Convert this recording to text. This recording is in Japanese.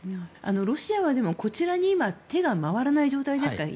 ロシアはこちらに今手が回らない状態ですか？